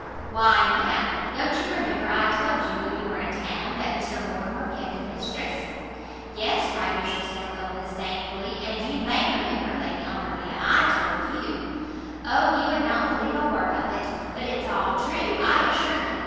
"Why, ma'am, don't you remember I told you when you were in town that Mr Mortimer kept a mistress " "Yes!" cried Mrs Delvile, disdainfully, "and you may remember, Lady Honoria, I told you " "O, you would not believe a word of it! but it's all true, I assure you!